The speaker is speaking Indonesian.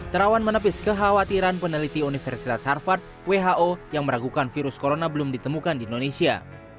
terawan menepis kekhawatiran peneliti universitas harvard who yang meragukan virus corona belum ditemukan di indonesia